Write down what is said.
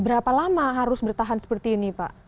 berapa lama harus bertahan seperti ini pak